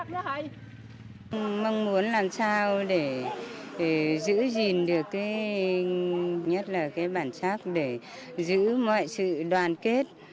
mong muốn làm sao để giữ gìn được cái nhất là cái bản sắc để giữ mọi sự đoàn kết